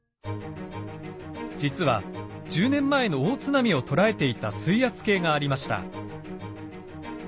実は１０年前の大津波を捉えていた水圧計がありました。